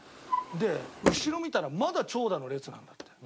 で後ろ見たらまだ長蛇の列なんだって。